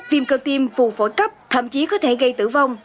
viêm cơ tim phù phổi cấp thậm chí có thể gây tử vong